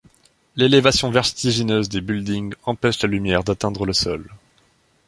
L'élévation vertigineuse des buildings empêche la lumière d'atteindre le sol.